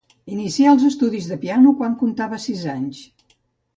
Inicià els estudis de piano, quan contava sis anys.